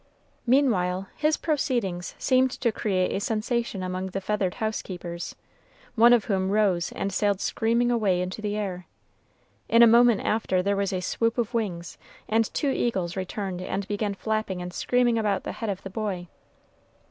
Meanwhile his proceedings seemed to create a sensation among the feathered house keepers, one of whom rose and sailed screaming away into the air. In a moment after there was a swoop of wings, and two eagles returned and began flapping and screaming about the head of the boy.